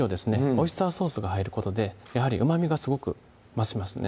オイスターソースが入ることでやはりうまみがすごく増しますね